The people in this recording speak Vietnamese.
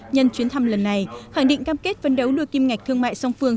nhân chuyến thăm lần này khẳng định cam kết phấn đấu lừa kim ngạch thương mại song phương